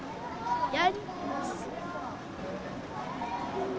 やります。